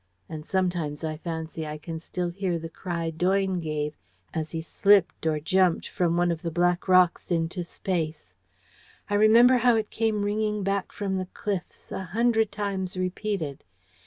And sometimes I fancy I can still hear the cry Doyne gave as he slipped or jumped from one of the black rocks into space. I remember how it came ringing back from the cliffs a hundred times repeated.